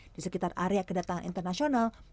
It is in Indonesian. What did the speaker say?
di sekitar area kedatangan internasional